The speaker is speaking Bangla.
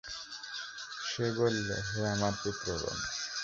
সে বলল, হে আমার পুত্রগণ!